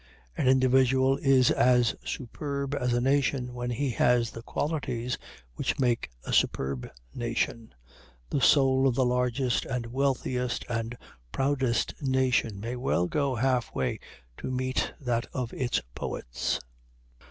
An individual is as superb as a nation when he has the qualities which make a superb nation. The soul of the largest and wealthiest and proudest nation may well go half way to meet that of its poets.